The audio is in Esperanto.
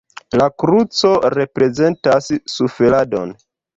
La kruco reprezentas suferadon.